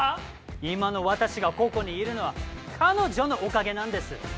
今の私がここにいるのは彼女のおかげなんです！